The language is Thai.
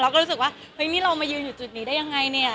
ก็รู้สึกว่าเฮ้ยนี่เรามายืนอยู่จุดนี้ได้ยังไงเนี่ย